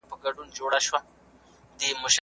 هغه چارې چې توليدي دي د پاملرنې وړ دي.